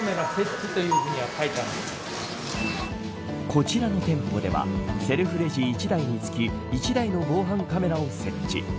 こちらの店舗ではセルフレジ１台につき１台の防犯カメラを設置。